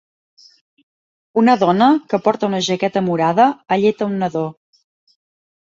Una dona, que porta una jaqueta morada, alleta un nadó.